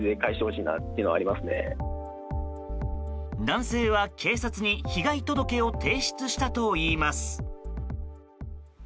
男性は警察に被害届を提出したといいます。